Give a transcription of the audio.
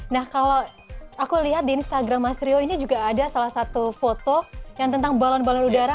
nah kalau aku lihat di instagram mas trio ini juga ada salah satu foto yang tentang balon balon udara